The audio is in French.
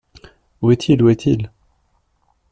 Où est-il ? où est-il ?